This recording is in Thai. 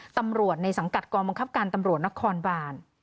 ตำรวจในสังกัดกองบังคับการตำรวจนครบาน